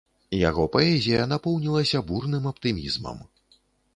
Яго паэзія напоўнілася бурным аптымізмам.